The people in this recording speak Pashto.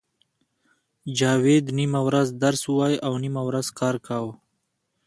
جاوید نیمه ورځ درس وایه او نیمه ورځ کار کاوه